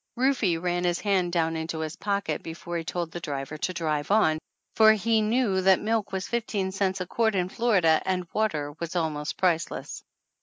Rufe ran his hand down into his pocket be fore he told the driver to drive on, for he knew that milk was fifteen cents a quart in Florida, and water was almost priceless.